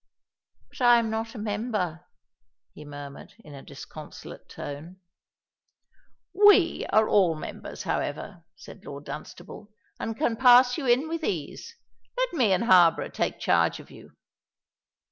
"But I am not a member" he murmured, in a disconsolate tone. "We are all members, however," said Lord Dunstable; "and can pass you in with ease. Let me and Harborough take charge of you."